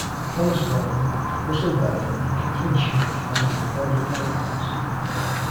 Thomas Vorm, Russell Bellin and Catherine Schmidt formed the Board of Directors.